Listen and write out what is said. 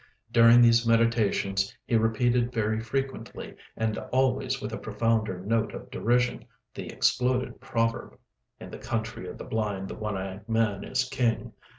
During these meditations he repeated very frequently and always with a profounder note of derision the exploded proverb: "In the Country of the Blind the One Eyed Man is King."